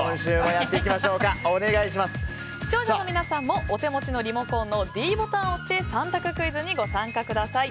視聴者の皆さんもお手持ちのリモコンのｄボタンを押して３択クイズにご参加ください。